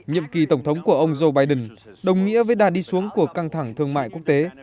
nhiệm kỳ tổng thống của ông joe biden đồng nghĩa với đàn đi xuống của căng thẳng thương mại quốc tế